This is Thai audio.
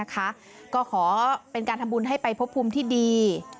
ก็ขอเป็นการทำบุญให้ไปพบภูมิที่ดี